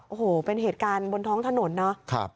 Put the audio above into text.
โอ้โหเป็นเหตุการณ์บนท้องถนนนะครับ